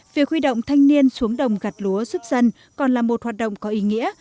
việc huy động thanh niên xuống đồng gặt lúa giúp dân còn là một hoạt động có ý nghĩa